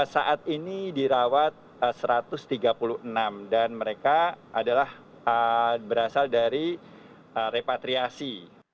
saat ini dirawat satu ratus tiga puluh enam dan mereka adalah berasal dari repatriasi